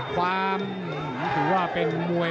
ความถือว่าเป็นมวย